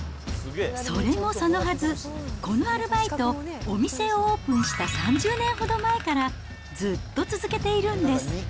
それもそのはず、このアルバイト、お店をオープンした３０年ほど前から、ずっと続けているんです。